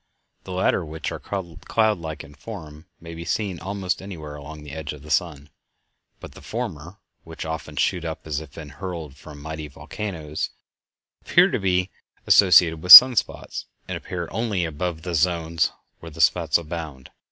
The latter, which are cloud like in form, may be seen almost anywhere along the edge of the sun; but the former, which often shoot up as if hurled from mighty volcanoes, appear to be associated with sun spots, and appear only above the zones where spots abound.